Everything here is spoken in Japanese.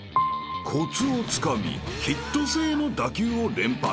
［コツをつかみヒット性の打球を連発］